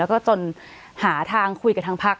แล้วก็จนหาทางคุยกับทางพัก